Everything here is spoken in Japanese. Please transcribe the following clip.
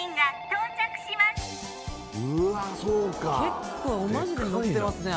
結構マジでのってますね